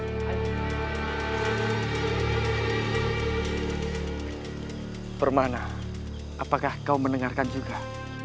permana apakah kau mendengarkan juga